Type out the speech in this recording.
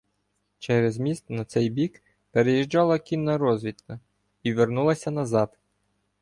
Через міст на цей бік переїжджала кінна розвідка і вернулася назад.